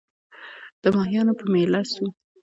د ماهیانو په مېله سوو